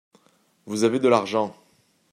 Vous avez de l’argent...